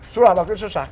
sudah waktu itu susah